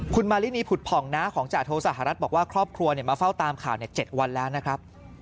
คุณมารินีผุดผ่องน้าของจาโทสหรัฐบอกว่าครอบครัวมาเฝ้าตามข่าว๗วันแล้วนะครับ